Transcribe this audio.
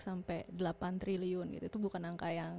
sampai delapan triliun gitu itu bukan angka yang